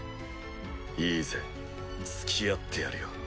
いいぜつきあってやるよ。